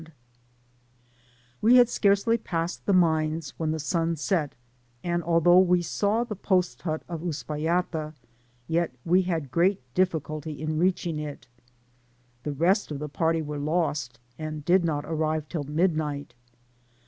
145 We hdd sdfiircdy passed the mines whea the sun set, and although we saw the jx>dt hut of Uspal lata, yet we had great difficulty in reaching it. The rest of the party were lost, and did not arrive till midnight.